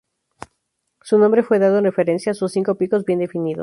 Su nombre fue dado en referencia a sus cinco picos bien definidos.